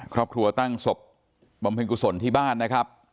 ครอบครัวตั้งศพบำเพ็ญกุศลที่บ้านนะครับ